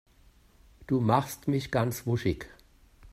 Du machst mich ganz wuschig.